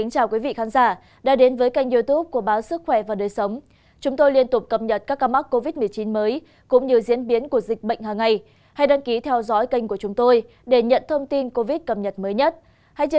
các bạn hãy đăng ký kênh để ủng hộ kênh của chúng mình nhé